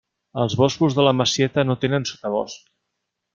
Els boscos de la Masieta no tenen sotabosc.